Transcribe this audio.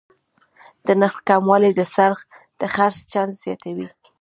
د نرخ کموالی د خرڅ چانس زیاتوي.